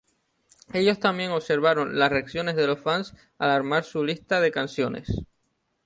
Ellos tambien observaron las reacciones de los fans al armar su lista de canciones.